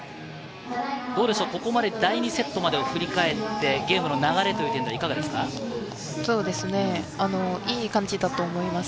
ここまで第２セットまでを振り返って、ゲームの流れという点ではいい感じだと思います。